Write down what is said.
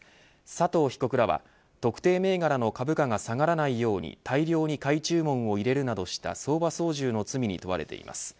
佐藤被告らは特定銘柄の株価が下がらないように大量に買い注文を入れるなどした相場操縦の罪に問われています。